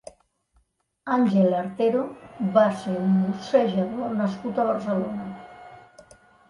Àngel Artero va ser un boxejador nascut a Barcelona.